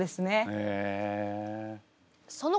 へえ。